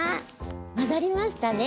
まざりましたね。